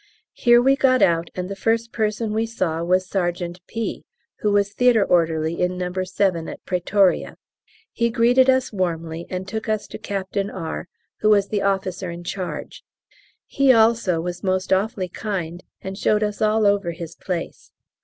Here we got out, and the first person we saw was Sergt. P., who was theatre orderly in No. 7 at Pretoria. He greeted us warmly and took us to Capt. R., who was the officer in charge. He also was most awfully kind and showed us all over his place.